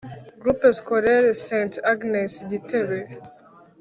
Groupe Scolaire St Agnes Gitebe